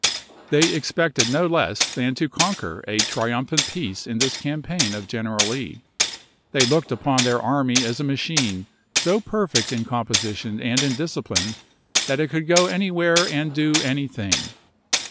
They expected no less than to conquer a trium phant peace in this campaign of General Lee. They looked upon their army as a machine so perfect in composition and in discipline that it could go any where and do anything.